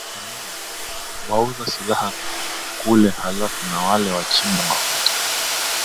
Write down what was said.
ee wauza silaha kule halafu na wale wachimba mafuta